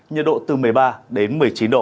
nhiệt độ từ một mươi ba đến một mươi chín độ